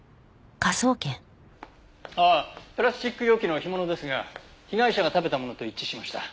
ああプラスチック容器の干物ですが被害者が食べたものと一致しました。